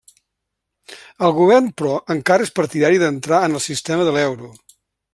El govern, però, encara és partidari d'entrar en el sistema de l'euro.